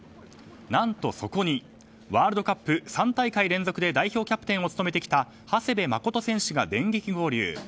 何と、そこにワールドカップ３大会連続で代表キャプテンを務めてきた長谷部誠選手が電撃合流。